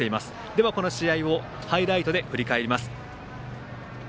では、この試合をハイライトで振り返ります。